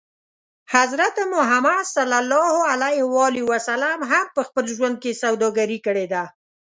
حضرت محمد ص هم په خپل ژوند کې سوداګري کړې ده.